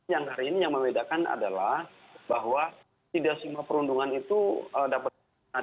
yang hari ini yang membedakan adalah bahwa tidak semua perundungan itu dapat